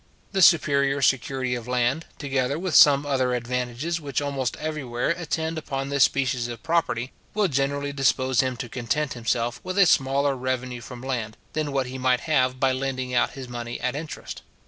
The superior security of land, together with some other advantages which almost everywhere attend upon this species of property, will generally dispose him to content himself with a smaller revenue from land, than what he might have by lending out his money at interest.